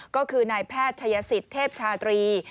ก็คือนายแพทย์ชายสิทธิเทพชาตรี